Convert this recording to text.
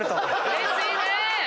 うれしいね！